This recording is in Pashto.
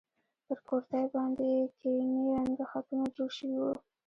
پر کورتۍ باندې يې کيريمي رنګه خطونه جوړ شوي وو.